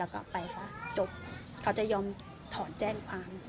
ก็ไปซะจบเขาจะยอมถอนแจ้งความ